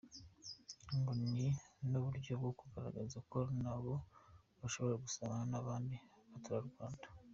Ngo ni n’uburyo bwo kugaragaza ko na bo bashobora gusabana n’abandi baturarwanda.